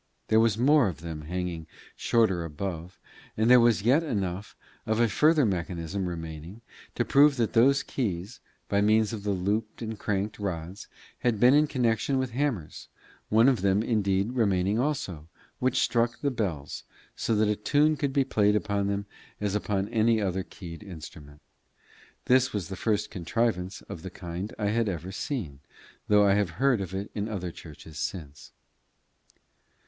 There were more of them hanging shorter above, and there was yet enough of a further mechanism remaining to prove that those keys, by means of the looped and cranked rods, had been in connection with hammers, one of them indeed remaining also, which struck the bells, so that a tune could be played upon them as upon any other keyed instrument. This was the first contrivance of the kind I had ever seen, though I have heard of it in other churches since.